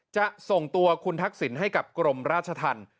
จะส่งตัวคุณทักษิณให้กับกรมราชธรรม